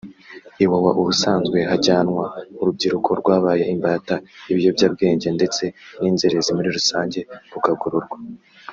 Iwawa ubusanzwe hajyanwa urubyiruko rwabaye imbata y’ibiyobyabwenge ndetse n’inzererezi muri rusange rukagororwa